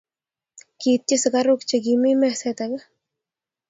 Kiityi sikaruk che kimi meset age